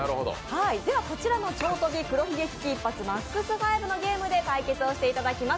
こちらの「超飛び黒ひげ危機一発ＭＡＸ５」のゲームで対決をしていただきます。